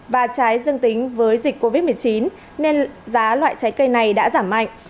và trái dương tính với dịch covid một mươi chín nên giá loại trái cây này đã giảm mạnh